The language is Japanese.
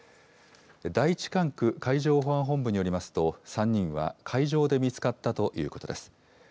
第１管区海上保安本部によりますと、３人は海上で見つかったということです。